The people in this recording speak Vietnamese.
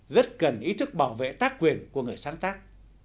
rất cần ý thức bảo vệ tác quyền của người sáng tác